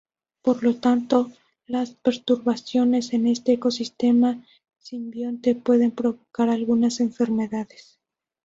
Por lo tanto las perturbaciones en este ecosistema simbionte pueden provocar algunas enfermedades.